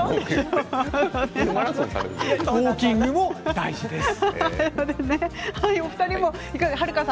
ウォーキングも大事です。